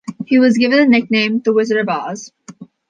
He was given the nickname "the Wizard of Os".